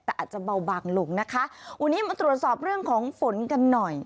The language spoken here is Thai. แต่อาจจะเบาบางลงนะคะวันนี้มาตรวจสอบเรื่องของฝนกันหน่อย